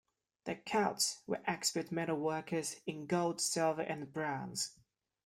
The Celts were expert metalworkers, in gold, silver and bronze.